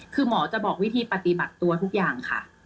คือหมอจะบอกวิธีปฏิบัติตัวทุกอย่างค่ะ